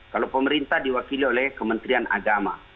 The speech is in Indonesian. kalau pemerintah diwakili oleh kementerian agama